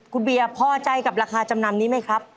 คุณเบียร์พอใจกับราคาจำนำนี้ไหมครับ